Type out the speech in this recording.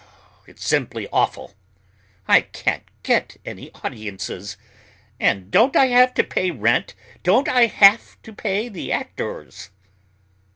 It's simply awful. I can't get any audiences, and don't I have to pay rent? Don't I have to pay the actors?"